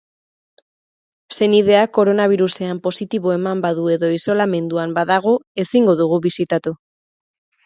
Senideak koronabirusean positibo eman badu edo isolamenduan badago, ezingo dugu bisitatu.